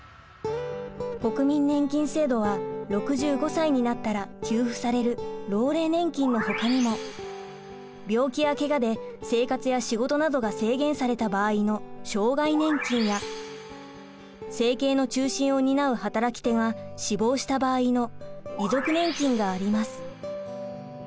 国民年金制度は６５歳になったら給付される老齢年金のほかにも病気やけがで生活や仕事などが制限された場合の障害年金や生計の中心を担う働き手が死亡した場合の遺族年金があります。